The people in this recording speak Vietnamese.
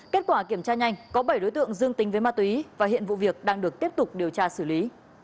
kết quả kiểm tra nhanh có bảy đối tượng dương tình với ma túy và hiện vụ việc đang được tiếp tục điều tra xử lý